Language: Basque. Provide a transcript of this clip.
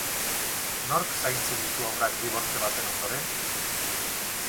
Nork zaintzen ditu haurrak dibortzio baten ondoren?